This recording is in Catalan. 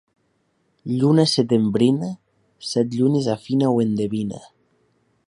Lluna setembrina set llunes afina o endevina.